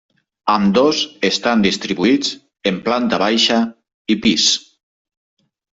Ambdós estan distribuïts en planta baixa i pis.